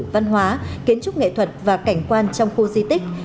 văn hóa kiến trúc nghệ thuật và cảnh quan trong khu di tích